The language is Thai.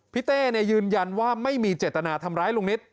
เต้ยืนยันว่าไม่มีเจตนาทำร้ายลุงนิต